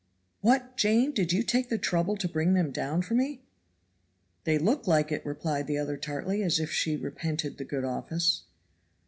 "What, Jane, did you take the trouble to bring them down for me?" "They look like it," replied the other tartly, as if she repented the good office.